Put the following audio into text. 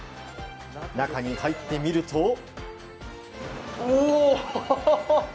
中に入ってみると。